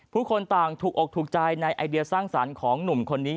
ผู้คนต่างถูกอกถูกใจในไอเดียสร้างสรรค์ของหนุ่มคนนี้